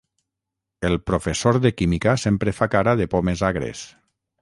El professor de química sempre fa cara de pomes agres.